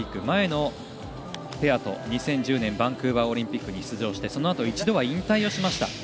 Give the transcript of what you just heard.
前のペアと２０１０年バンクーバーオリンピックに出場して、そのあと一度は引退をしました。